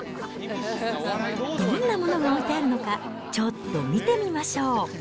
どんなものが置いてあるのか、ちょっと見てみましょう。